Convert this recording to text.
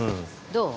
どう？